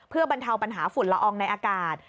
เพื่อบรรเทาปัญหาฝุ่นละอองในอากาศ